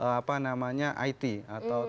kemudian ke apa namanya it atau